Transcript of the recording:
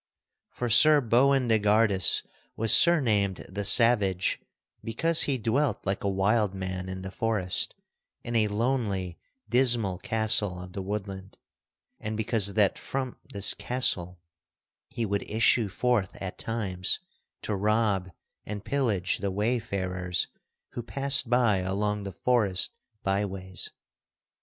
For Sir Boindegardus was surnamed the Savage because he dwelt like a wild man in the forest in a lonely dismal castle of the woodland; and because that from this castle he would issue forth at times to rob and pillage the wayfarers who passed by along the forest byways.